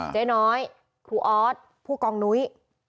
เจ๊น้อยครูออสผู้กองนุ้ย